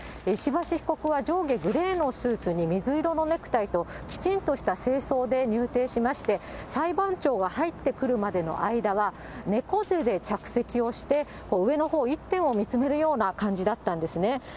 石橋被告は上下グレーのスーツに水色のネクタイと、きちんとした正装で入廷しまして、裁判長が入ってくるまでの間は、猫背で着席をして、上のほう、一点を見つめるような感じだったんですね。